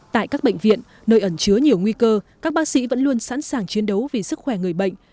tại các bệnh viện nơi ẩn chứa nhiều nguy cơ các bác sĩ vẫn luôn sẵn sàng chiến đấu vì sức khỏe người bệnh